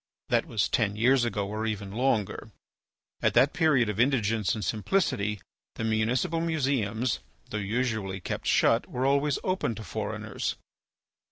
That was ten years ago or even longer. At that period of indigence and simplicity, the municipal museums, though usually kept shut, were always opened to foreigners.